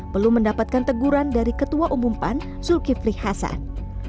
belum mendapatkan teguran dari ketua umum pan zulkifli hasan